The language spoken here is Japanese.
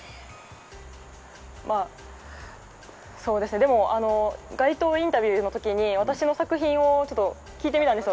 でも街頭インタビューの時に私の作品を聞いてみたんですよ。